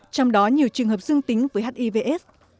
trong đó nhiều trường hợp dương tính với hiv aids